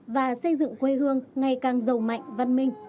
và xây dựng quê hương ngày càng giàu mạnh văn minh